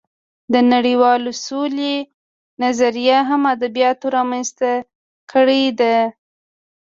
د نړۍوالې سولې نظریه هم ادبیاتو رامنځته کړې ده